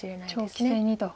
長期戦にと。